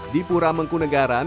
di pura mangkunagaran